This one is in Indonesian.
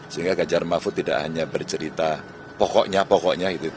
sehingga ganjar mahfud tidak hanya bercerita pokoknya pokoknya gitu